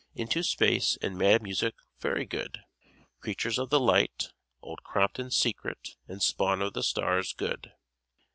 "Into Space" and "Mad Music," very good. "Creatures of the Light," "Old Crompton's Secret" and "Spawn of the Stars," good.